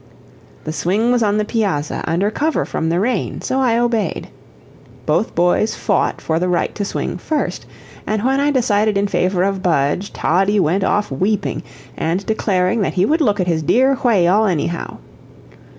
The swing was on the piazza under cover from the rain; so I obeyed. Both boys fought for the right to swing first, and when I decided in favor of Budge, Toddie went off weeping, and declaring that he would look at his dear whay al anyhow.